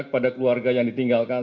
kepada keluarga yang ditinggalkan